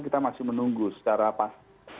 kita masih menunggu secara pasti